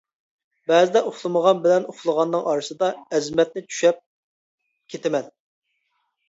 بەزىدە ئۇخلىمىغان بىلەن ئۇخلىغاننىڭ ئارىسىدا، ئەزىمەتنى «چۈشەپ» كېتىمەن.